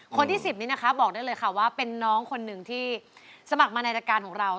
คนที่๑๐นี้นะคะบอกได้เลยค่ะว่าเป็นน้องคนหนึ่งที่สมัครมาในรายการของเรา